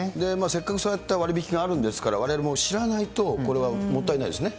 せっかくそういった割引があるんですから、われわれも知らないと、これはもったいないですね。